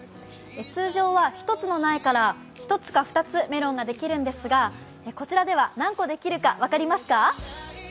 通常は１つの苗から１つか２つメロンができるんですがこちらでは何個できるか分かりますか？